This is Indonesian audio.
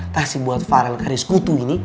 taksi buat faren karis kutu ini